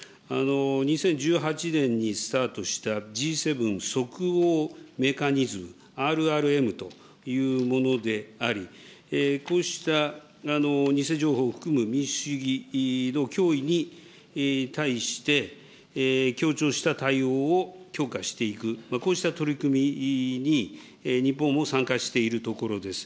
２０１８年にスタートしたＧ７即応メカニズム、ＲＲＭというものであり、こうした偽情報を含む民主主義の脅威に対して、協調した対応を強化していく、こうした取り組みに日本も参加しているところです。